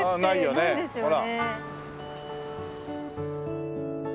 ないですよね。